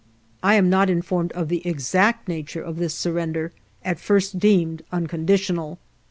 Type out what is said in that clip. " I am not informed of the exact nature of this surrender, at first deemed uncondi tional.